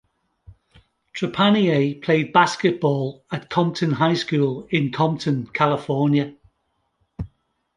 Trepagnier played basketball at Compton High School, in Compton, California.